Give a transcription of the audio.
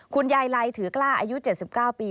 คุณยายไลถือกล้าอายุ๗๙ปี